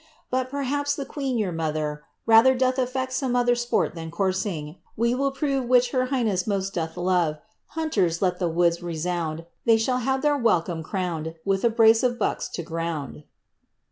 But perhaps the queen, your mother, Rather doth affect some other Sport than coursing. We will prora Which her highness most doth loye. Hunters, let the woods resound; They shall have their welcome crown*d With a brace of bucks to ground."